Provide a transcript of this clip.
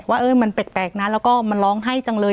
ว่าเอ้ยมันแปลกแปลกน่ะแล้วก็มันร้องให้จังเลย